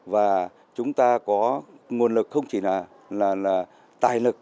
và chúng ta có nguồn lực không chỉ là tài lực